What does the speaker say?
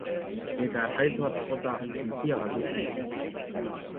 Eta harkaitz bat jota, ontzia galdu zen.